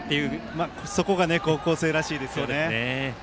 そこが高校生らしいですよね。